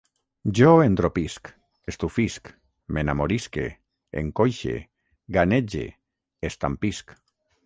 Jo endropisc, estufisc, m'enamorisque, encoixe, ganege, estampisc